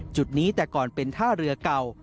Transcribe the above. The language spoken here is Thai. จุดนี้แต่ก่อนเป็นท่าเรือเก่า